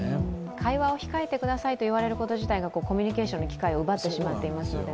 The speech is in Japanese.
会話を控えてくださいと言われること自体がコミュニケーションの機会を奪ってしまっていますよね。